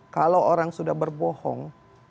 kalau orang sudah berbohong